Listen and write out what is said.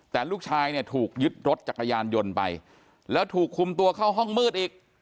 แต่ลูกชายเนี่ยถูกยึดรถจักรยานยนต์ไปแล้วถูกคุมตัวเข้าห้องมืดอีก